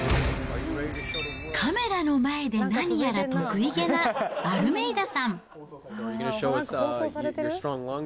カメラの前で何やら得意げなアルメイダさん。